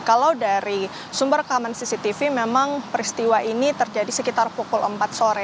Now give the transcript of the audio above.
kalau dari sumber rekaman cctv memang peristiwa ini terjadi sekitar pukul empat sore